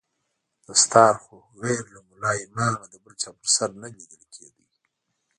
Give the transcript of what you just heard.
دستار خو غير له ملا امامه د بل چا پر سر نه ليدل کېده.